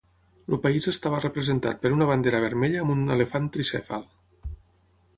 El país estava representat per una bandera vermella amb un elefant tricèfal.